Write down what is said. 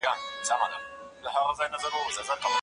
میرویس نیکه په مکه کي فتوا ترلاسه کړه.